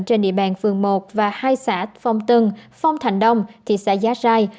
trên địa bàn phường một và hai xã phong tân phong thành đông thị xã giá rai